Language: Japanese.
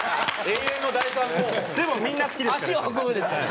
でもみんな好きですから。